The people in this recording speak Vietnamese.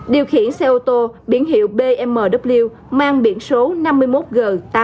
điều khiển xe ô tô biển hiệu bmw mang biển số năm mươi một g tám mươi tám nghìn ba trăm linh ba